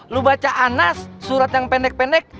lu baca anas surat yang pendek pendek